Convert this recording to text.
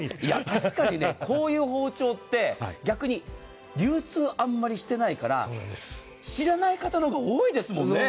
確かにこういう包丁って逆に流通、あんまりしてないから知らない方のほうが多いですもんね。